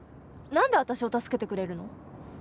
何で私を助けてくれるの？